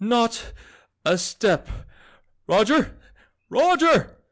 "Not a step! Roger! Roger!